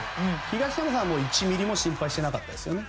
東山さんは１ミリも心配してなかったですよね。